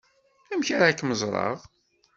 Amek ara kem-ẓreɣ?